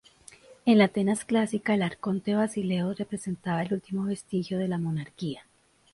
En la Atenas clásica el arconte basileus representaba el último vestigio de la monarquía.